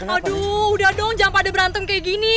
aduh udah dong jangan pada berantem kayak gini